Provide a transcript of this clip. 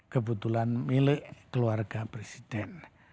kebetulan milik keluarga presiden